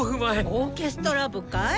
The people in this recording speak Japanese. オーケストラ部かい？